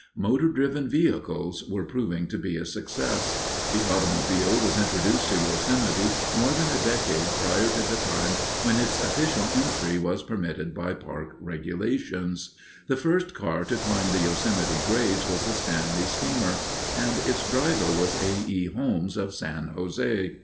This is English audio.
Motor driven vehicles were proving to be a success. The automobile was introduced to Yosemite more than a decade prior to the time when its official entry was permitted by park regulations. The first car to climb the Yosemite grades was a Stanley Steamer, and its driver was A. E. Holmes of San Jose.